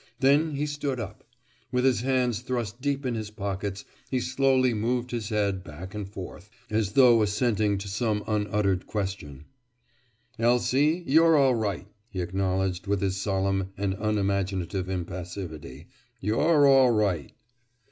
Then he stood up. With his hands thrust deep in his pockets he slowly moved his head back and forth, as though assenting to some unuttered question. "Elsie, you're all right," he acknowledged with his solemn and unimaginative impassivity. "You're all right."